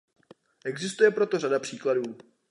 Existuje pro to řada příkladů.